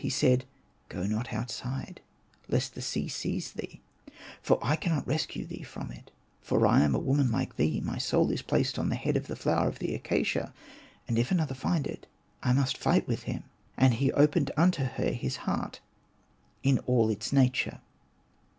He said, '' Go not outside, lest the sea seize thee ; for I cannot rescue thee from it, for I am a woman like thee ; my soul is placed on the head of the flower of the acacia; and if another find it, I must fight with him." And he opened unto her his heart in all its nature.